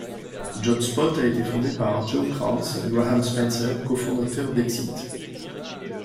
JotSpot a été fondé par Joe Kraus et Graham Spencer, cofondateurs d'Excite.